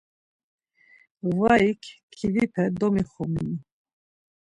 Ğvarik kivipe domixombinu.